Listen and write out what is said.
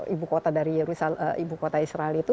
ibu kota israel itu